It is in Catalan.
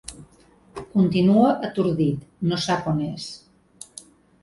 Continua atordit, no sap on és.